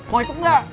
mau ikut gak